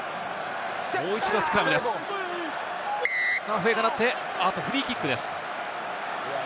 笛が鳴ってフリーキックです。